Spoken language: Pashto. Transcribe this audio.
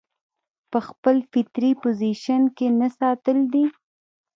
پۀ خپل فطري پوزيشن کښې نۀ ساتل دي